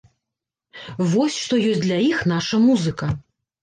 Вось што ёсць для іх наша музыка.